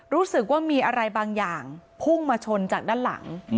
รู้สึกว่ามีอะไรบางอย่างพุ่งมาชนจากด้านหลัง